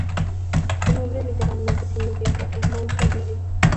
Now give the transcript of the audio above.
Su nombre literalmente significa "el monstruo Lirio".